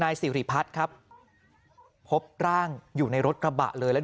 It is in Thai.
สิริพัฒน์ครับพบร่างอยู่ในรถกระบะเลยแล้ว